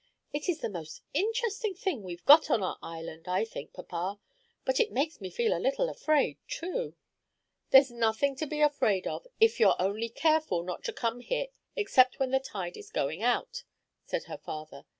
It is the most interesting thing we've got on our island, I think, papa; but it makes me feel a little afraid, too." "There's nothing to be afraid of if you're only careful not to come here except when the tide is going out," said her father.